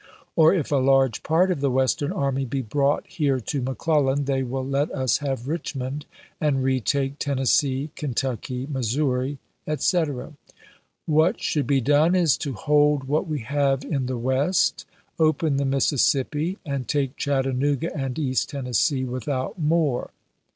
Or if a large part of the Western army be brought here to McClellan, they will let us have Rich mond, and retake Tennessee, Kentucky, Missouri, etc. What should be done is to hold what we have in the West, open the Mississippi, and take Chattanooga and East Tennessee, without more.